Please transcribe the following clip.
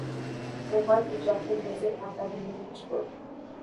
وہ مرد مجاہد نظر آتا نہیں مجھ کو